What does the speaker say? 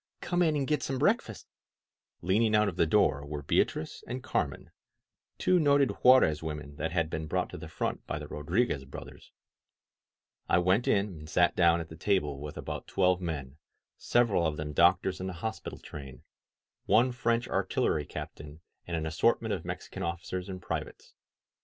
Come in and get some breakfast.'' Leaning out of the door were Beatrice and Carmen, two noted Juarez women that had been 186 INSURGENT MEXICO brought to the front by the Rodriguez brothers. I went in and sat down at the table with about twelve men, several of them doctors in the hospital train, one French artillery captain, and an assortment of Mex ican officers and privates.